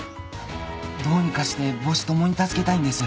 どうにかして母子共に助けたいんです。